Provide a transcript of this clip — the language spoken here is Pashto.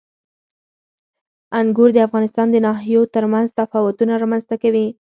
انګور د افغانستان د ناحیو ترمنځ تفاوتونه رامنځته کوي.